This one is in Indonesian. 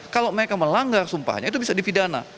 kalau mereka melanggar sumpahnya itu bisa dipidana